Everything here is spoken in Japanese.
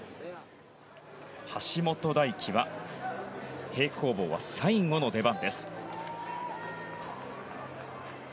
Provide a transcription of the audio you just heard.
橋本大輝は平行棒は最後の出番です。